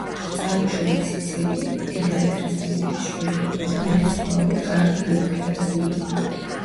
წარმოშობით სიცილიელი, მდიდარი ქრისტიანების შვილი იყო და მათი წყალობით კარგი განათლებაც მიიღო.